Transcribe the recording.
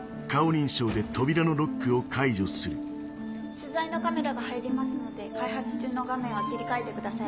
取材のカメラが入りますので開発中の画面は切り替えてください。